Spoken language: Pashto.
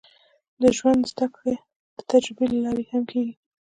د ژوند زده کړه د تجربې له لارې هم کېږي.